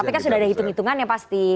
tapi kan sudah ada hitung hitungannya pasti